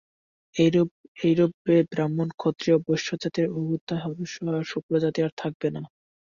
এইরূপে ব্রাহ্মণ ক্ষত্রিয় ও বৈশ্যজাতির অভ্যুদয় হবে, শূদ্রজাতি আর থাকবে না।